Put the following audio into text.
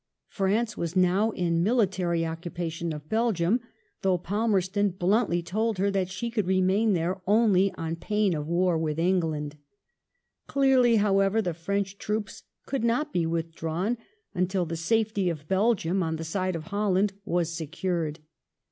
France was now in military occupation of Belgium, though Palmerston bluntly told her that she could remain there only on pain of war with England. Clearly, however, the French troops could not be withdrawn until the safety of Belgium, on the side of Holland, was secured.